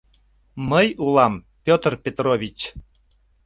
Мый улам, Петр Петрович.